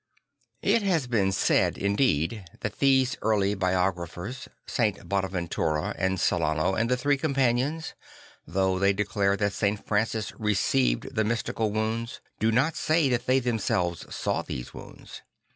It has been said, indeed, that these early biographers, St. Bonaventura and Celano and the Three Companions, though they declare that St. Francis received the mystical wounds, do not say that they themselves saw those wounds.